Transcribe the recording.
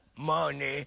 まあね。